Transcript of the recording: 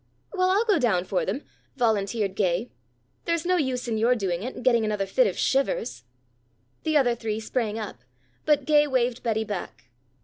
"Well, I'll go down for them," volunteered Gay. "There's no use in your doing it and getting another fit of shivers." The other three sprang up, but Gay waved Betty back.